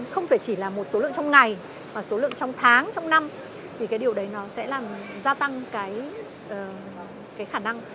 không phải chỉ là một số lượng trong ngày mà số lượng trong tháng trong năm thì cái điều đấy nó sẽ làm gia tăng cái khả năng